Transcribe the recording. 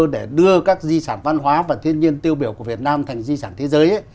để đưa các di sản văn hóa và thiên nhiên tiêu biểu của việt nam thành di sản thế giới